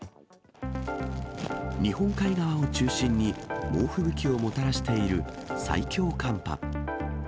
日本海側を中心に、猛吹雪をもたらしている最強寒波。